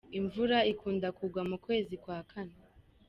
Imvura ikunda kugwa mu kwezi kwa kane.